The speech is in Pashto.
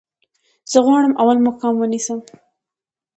زه غواړم اول مقام ونیسم